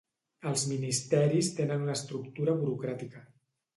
Els ministeris tenen una estructura burocràtica.